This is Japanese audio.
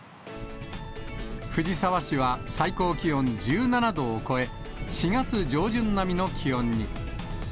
藤沢市は最高気温１７度を超え、４月上旬並みの気温に。